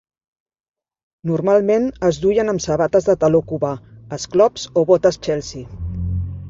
Normalment es duien amb sabates de taló cubà, esclops o botes Chelsea.